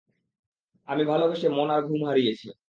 আমি ভালবেসে, মন আর ঘুম হারিয়েছি।